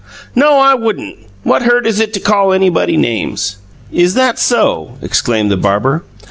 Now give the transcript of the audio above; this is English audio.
"No, I wouldn't! What hurt is it to call anybody names?" "Is that SO!" exclaimed the barber.